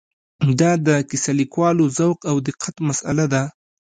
دا د کیسه لیکوالو ذوق او دقت مساله ده.